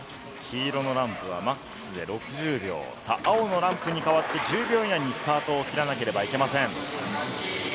黄色のランプはマックスで６０秒、青のランプに変わって１０秒以内にスタートを切らなければいけません。